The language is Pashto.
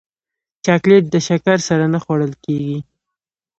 چاکلېټ د شکر سره نه خوړل کېږي.